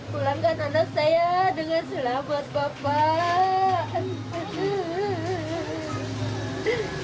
pulangkan anak saya dengan selamat bapak